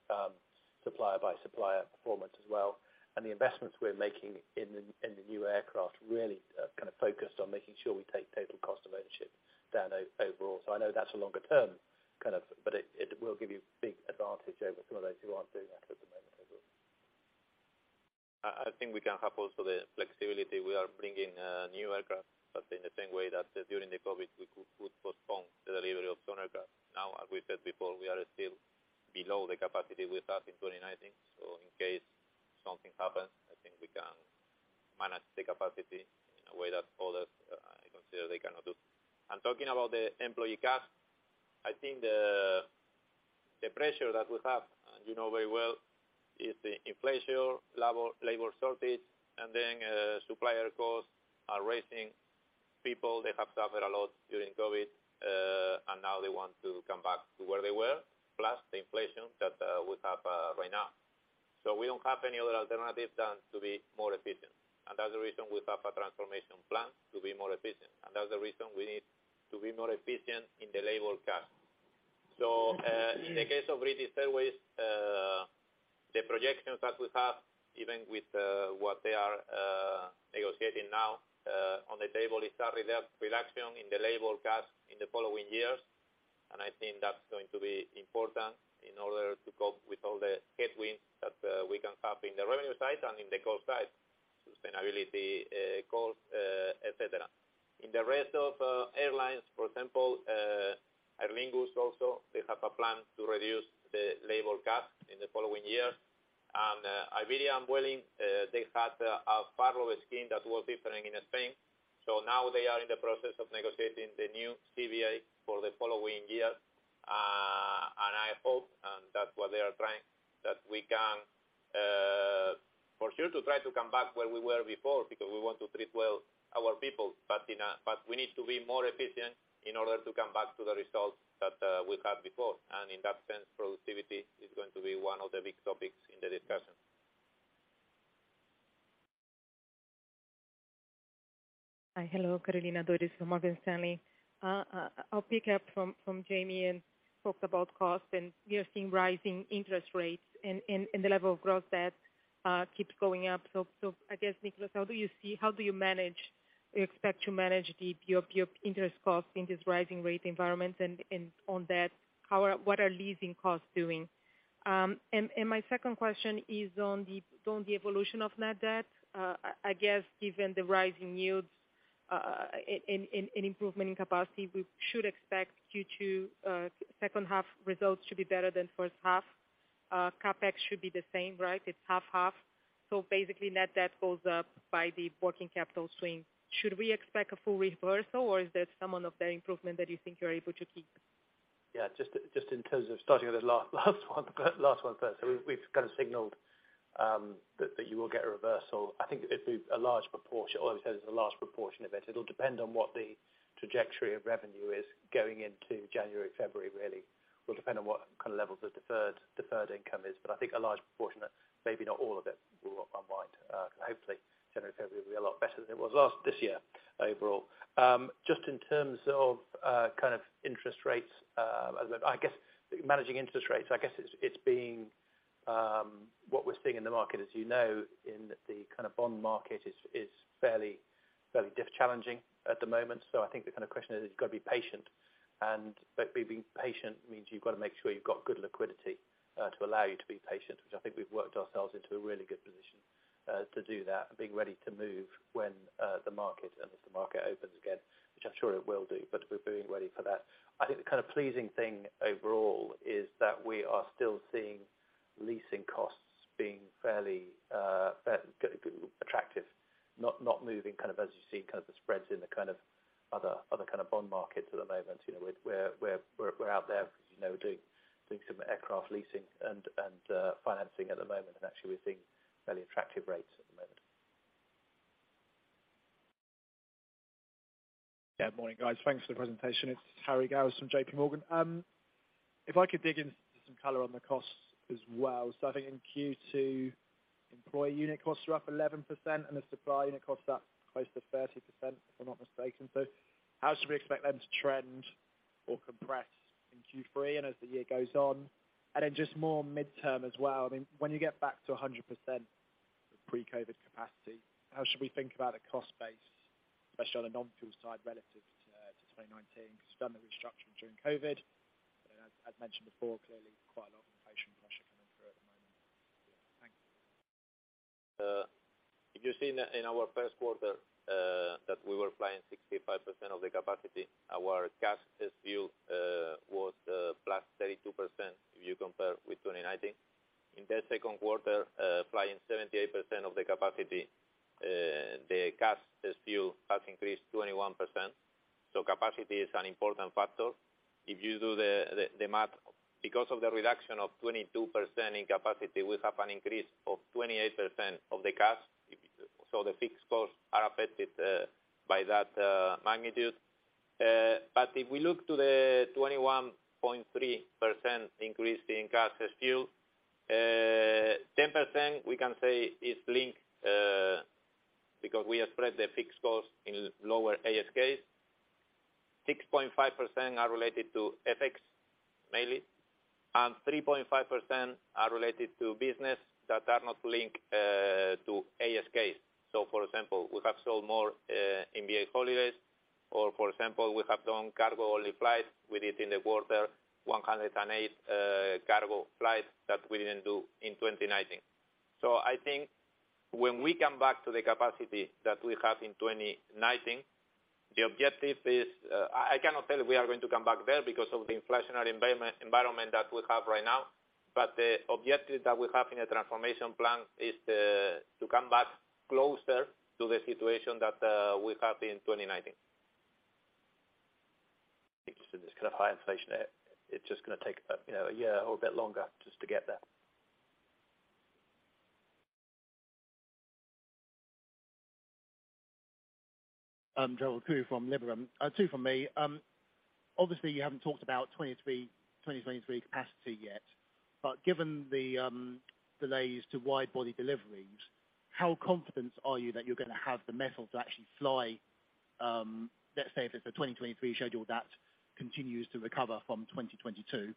supplier by supplier performance as well. The investments we're making in the new aircraft really kind of focused on making sure we take total cost of ownership down overall. I know that's a longer term kind of. It will give you big advantage over some of those who aren't doing that at the moment overall. I think we can have also the flexibility. We are bringing new aircraft, but in the same way that during the COVID, we could postpone the delivery of some aircraft. Now, as we said before, we are still below the capacity we have in 2019. In case something happens, I think we can manage the capacity in a way that others, I consider they cannot do. Talking about the employee cost, I think the pressure that we have, you know very well, is the inflation, labor shortage, and then supplier costs are rising. People, they have suffered a lot during COVID, and now they want to come back to where they were, plus the inflation that we have right now. We don't have any other alternative than to be more efficient. That's the reason we have a transformation plan to be more efficient. That's the reason we need to be more efficient in the labor cost. In the case of British Airways, the projections that we have, even with what they are negotiating now, on the table is a reduction in the labor cost in the following years. I think that's going to be important in order to cope with all the headwinds that we can have in the revenue side and in the cost side, sustainability costs, et cetera. In the rest of airlines, for example, Aer Lingus also, they have a plan to reduce the labor cost in the following years. Iberia and Vueling, they had a furlough scheme that was different in Spain. Now they are in the process of negotiating the new CBA for the following years. I hope, and that's what they are trying, that we can for sure to try to come back where we were before, because we want to treat well our people. We need to be more efficient in order to come back to the results that we had before. In that sense, productivity is going to be one of the big topics in the discussion. Hello, Carolina Dores from Morgan Stanley. I'll pick up from Jaime Rowbotham and talk about cost. We are seeing rising interest rates and the level of growth that keeps going up. I guess, Nicholas, how do you see, how do you manage, you expect to manage your interest cost in this rising rate environment? On that, what are leasing costs doing? My second question is on the evolution of net debt. I guess given the rising yields and improvement in capacity, we should expect Q2 second half results should be better than first half. CapEx should be the same, right? It's 50/50. Basically net debt goes up by the working capital swing. Should we expect a full reversal or is there some of the improvement that you think you're able to keep? Yeah, just in terms of starting with the last one first. We've kind of signaled that you will get a reversal. I think it'll be a large proportion. Obviously, there's a large proportion of it. It'll depend on what the trajectory of revenue is going into January, February, really. It will depend on what kind of levels of deferred income is. I think a large proportion of it, maybe not all of it, will unwind. Hopefully January, February will be a lot better than it was this year. Just in terms of kind of interest rates, I guess managing interest rates, I guess it's been what we're seeing in the market, as you know, in the kind of bond market is fairly difficult, challenging at the moment. I think the kind of question is you've got to be patient, but being patient means you've got to make sure you've got good liquidity to allow you to be patient, which I think we've worked ourselves into a really good position to do that, being ready to move when the market and as the market opens again, which I'm sure it will do, but we're being ready for that. I think the kind of pleasing thing overall is that we are still seeing leasing costs being fairly fair attractive, not moving kind of as you see kind of the spreads in the kind of other kind of bond markets at the moment. You know, we're out there, you know, doing some aircraft leasing and financing at the moment. Actually, we're seeing fairly attractive rates at the moment. Yeah. Morning, guys. Thanks for the presentation. It's Harry Gowers from JPMorgan. If I could dig into some color on the costs as well. I think in Q2, employee unit costs are up 11%, and the supply unit costs are close to 30%, if I'm not mistaken. How should we expect them to trend or compress in Q3 and as the year goes on? Then just more midterm as well, I mean, when you get back to 100% pre-COVID capacity, how should we think about the cost base, especially on the non-fuel side relative to 2019? Because you've done the restructuring during COVID, but as mentioned before, clearly quite a lot of inflation pressure coming through at the moment. Yeah. Thanks. If you've seen in our first quarter, that we were flying 65% of the capacity, our CASM ex-fuel was +32% if you compare with 2019. In the second quarter, flying 78% of the capacity, the CASM ex-fuel has increased 21%. Capacity is an important factor. If you do the math, because of the reduction of 22% in capacity, we have an increase of 28% of the CASM. The fixed costs are affected by that magnitude. If we look to the 21.3% increase in CASM ex-fuel, 10% we can say is linked because we have spread the fixed cost in lower ASKs. 6.5% are related to FX, mainly, and 3.5% are related to business that are not linked to ASKs. For example, we have sold more BA Holidays, or for example, we have done cargo-only flights. We did in the quarter 108 cargo flights that we didn't do in 2019. I think when we come back to the capacity that we have in 2019, the objective is, I cannot tell if we are going to come back there because of the inflationary environment that we have right now. The objective that we have in the transformation plan is to come back closer to the situation that we had in 2019. It's this kind of high inflation. It's just gonna take, you know, a year or a bit longer just to get there. Gerald Khoo from Liberum. Two from me. Obviously you haven't talked about 2023 capacity yet, but given the delays to wide-body deliveries, how confident are you that you're gonna have the metal to actually fly, let's say if it's a 2023 schedule that continues to recover from 2022?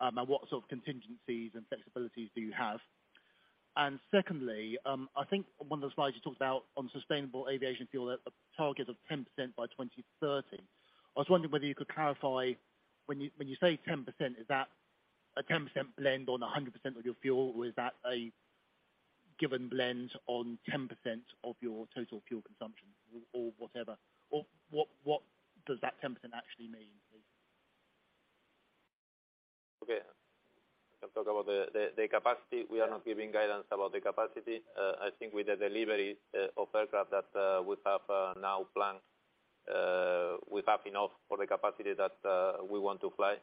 What sort of contingencies and flexibilities do you have? Secondly, I think one of the slides you talked about on sustainable aviation fuel, a target of 10% by 2030. I was wondering whether you could clarify when you say 10%, is that a 10% blend on 100% of your fuel, or is that a given blend on 10% of your total fuel consumption or whatever? Or what does that 10% actually mean, please? Okay. I'll talk about the capacity. We are not giving guidance about the capacity. I think with the deliveries of aircraft that we have now planned, we have enough for the capacity that we want to fly.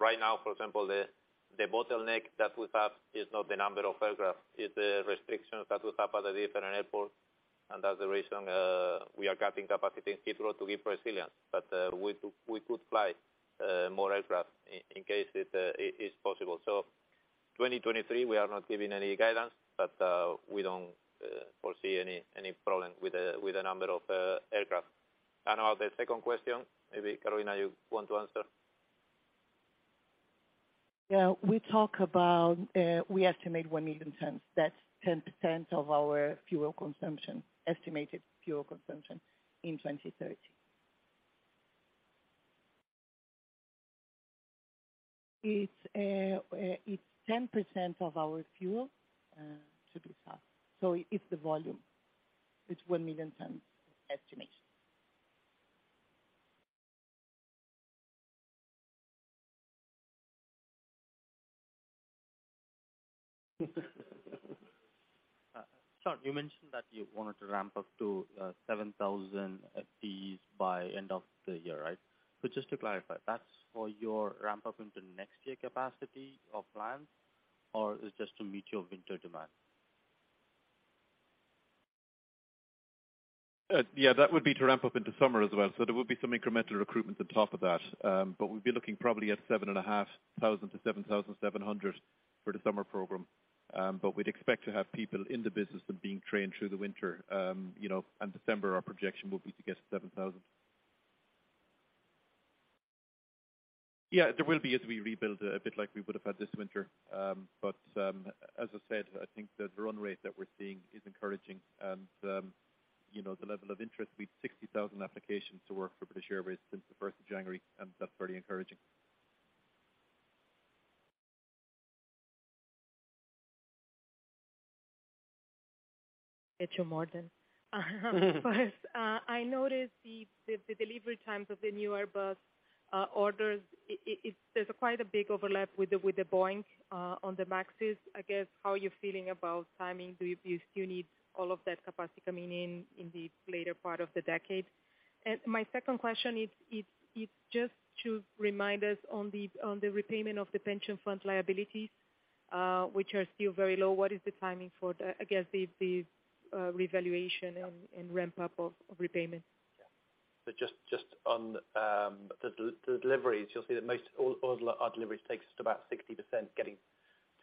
Right now, for example, the bottleneck that we have is not the number of aircraft. It's the restrictions that we have at the different airports. That's the reason we are cutting capacity in Heathrow to give resilience. We could fly more aircraft in case it is possible. 2023, we are not giving any guidance, but we don't foresee any problem with the number of aircraft. On the second question, maybe Carolina, you want to answer? Yeah. We talk about we estimate 1 million tons. That's 10% of our fuel consumption, estimated fuel consumption in 2030. It's 10% of our fuel to be SAF. It's the volume. It's 1 million tons estimation. Sean Doyle, you mentioned that you wanted to ramp up to 7,000 FTEs by end of the year, right? Just to clarify, that's for your ramp up into next year capacity or plans, or is just to meet your winter demand? That would be to ramp up into summer as well. There will be some incremental recruitment on top of that. We'd be looking probably at 7,500-7,700 for the summer program. We'd expect to have people in the business and being trained through the winter. You know, in December, our projection will be to get 7,000. There will be as we rebuild, a bit like we would have had this winter. As I said, I think the run rate that we're seeing is encouraging, and you know, the level of interest, we've 60,000 applications to work for British Airways since the first of January, and that's very encouraging. First, I noticed the delivery times of the newer Airbus orders. There's quite a big overlap with the Boeing on the MAXes. I guess, how are you feeling about timing? Do you still need all of that capacity coming in in the later part of the decade? My second question is just to remind us on the repayment of the pension fund liabilities, which are still very low. What is the timing for the, I guess, the revaluation and ramp up of repayment? Just on the deliveries, you'll see that most all our deliveries takes us to about 60% getting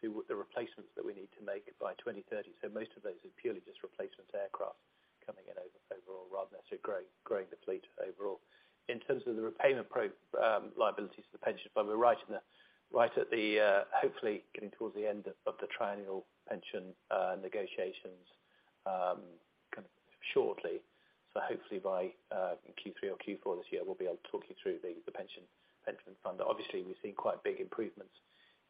to the replacements that we need to make by 2030. Most of those are purely just replacement aircraft coming in overall rather than us growing the fleet overall. In terms of the repayment profile liabilities to the pension, we're right at the hopefully getting towards the end of the triennial pension negotiations kind of shortly. Hopefully by Q3 or Q4 of this year, we'll be able to talk you through the pension fund. Obviously, we've seen quite big improvements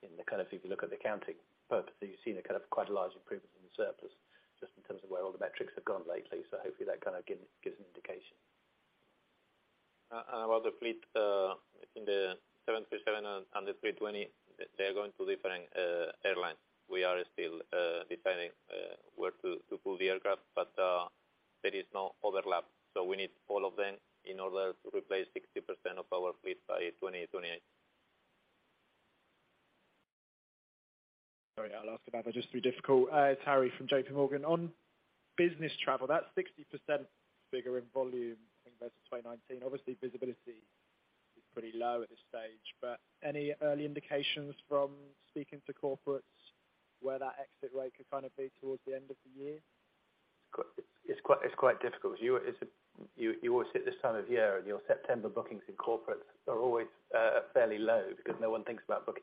in the kind of, if you look at the accounting purposes, you've seen a kind of quite a large improvement in the surplus just in terms of where all the metrics have gone lately. Hopefully that kind of gives an indication. About the fleet, in the 737 and the 320, they're going to different airlines. We are still deciding where to pull the aircraft, but there is no overlap. We need all of them in order to replace 60% of our fleet by 2028. Harry Gowers from JPMorgan. On business travel, that 60% figure in volume, I think versus 2019, obviously visibility is pretty low at this stage, but any early indications from speaking to corporates where that exit rate could kind of be towards the end of the year? It's quite difficult. You always hit this time of year and your September bookings in corporate are always fairly low because no one thinks about booking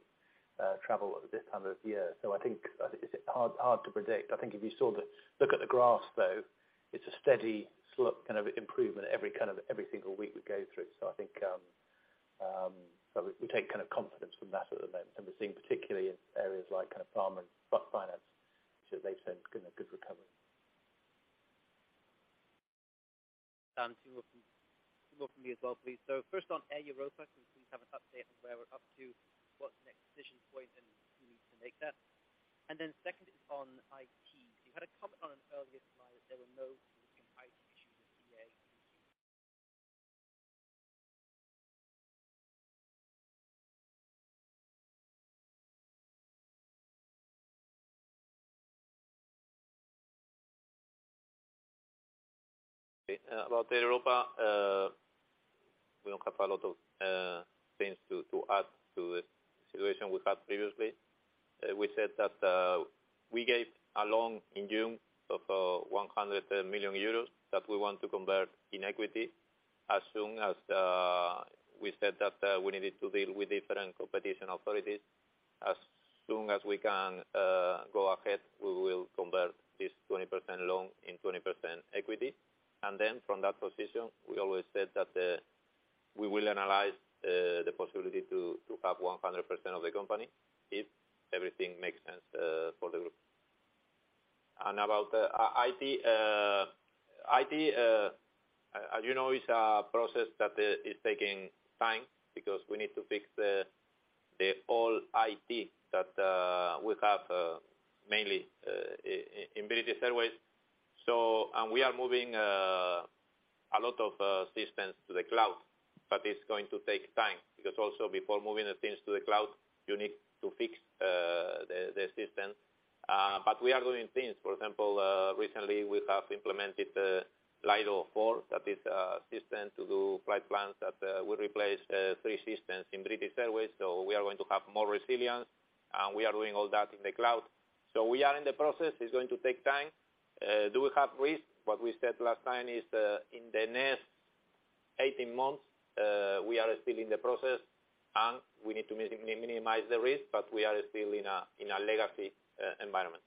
travel at this time of year. I think it's hard to predict. I think look at the graphs, though, it's a steady slope kind of improvement every single week we go through. We take kind of confidence from that at the moment. We're seeing particularly in areas like kind of pharma and business finance, which they've seen, kind of, good recovery. Two more from me as well, please. First on Air Europa, can you please have an update on where we're up to, what's the next decision point, and who needs to make that? Second is on IT. You had a comment on an earlier slide that there were no recent IT issues at BA. About Air Europa, we don't have a lot of things to add to the situation we had previously. We said that we gave a loan in June of 100 million euros that we want to convert in equity as soon as we said that we needed to deal with different competition authorities. As soon as we can go ahead, we will convert this 20% loan in 20% equity. Then from that position, we always said that we will analyze the possibility to have 100% of the company if everything makes sense for the group. About IT. IT, as you know, is a process that is taking time because we need to fix the whole IT that we have mainly in British Airways. We are moving a lot of systems to the cloud, but it's going to take time because also before moving the things to the cloud, you need to fix the system. But we are doing things. For example, recently we have implemented Lido Flight 4D. That is a system to do flight plans that will replace three systems in British Airways. We are going to have more resilience, and we are doing all that in the cloud. We are in the process. It's going to take time. Do we have risks? What we said last time is, in the next 18 months, we are still in the process, and we need to minimize the risk, but we are still in a legacy environment.